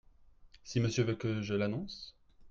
Si Monsieur veut que je l’annonce ?